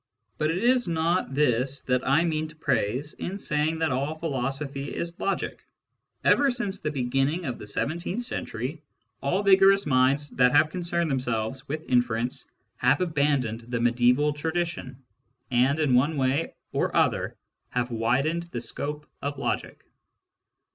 But it is not this that I mean to praise in saying that all philosophy is logic* Ever since the beginning of the seventeenth century, all vigorous minds that have concerned them selves with inference have abandoned the mediaeval 33 3 Digitized by Google 34 SCIENTIFIC METHOD IN PHILOSOPHY tradition, and in one way or other have widened the scope of logic.